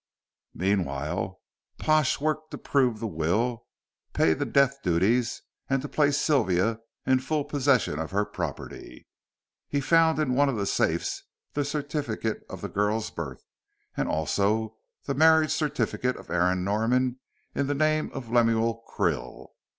Meanwhile Pash worked to prove the will, pay the death duties, and to place Sylvia in full possession of her property. He found in one of the safes the certificate of the girl's birth, and also the marriage certificate of Aaron Norman in the name of Lemuel Krill.